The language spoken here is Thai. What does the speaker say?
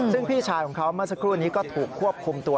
ซึ่งพี่ชายของเขาเมื่อสักครู่นี้ก็ถูกควบคุมตัว